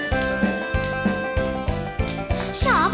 ซาวเทคนิคตาคมพมยาว